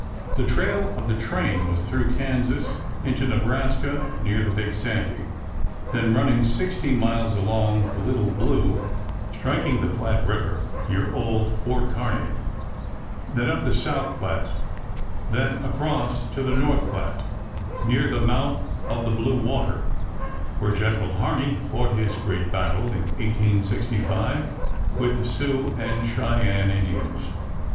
The trail of the train was through Kansas into Nebraska, near the Big Sandy, then running sixty miles along the Little Blue, striking the Platte River near old Fort Kearney; then up the South Platte, then across to the North Platte, near the mouth of the Blue Water, where General Harney fought his great battle in 1865 with the Sioux and Cheyenne Indians.